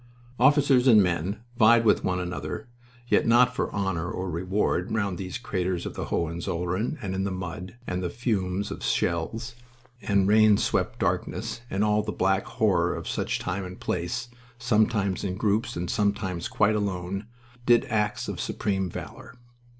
Officers and men vied with one another, yet not for honor or reward, round these craters of the Hohenzollern, and in the mud, and the fumes of shells, and rain swept darkness, and all the black horror of such a time and place, sometimes in groups and sometimes quite alone, did acts of supreme valor.